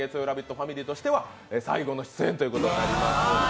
ファミリーとして最後の出演ということになります。